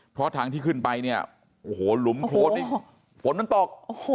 เพราะทางที่ขึ้นไปหลุมโคโดนฝนมันตก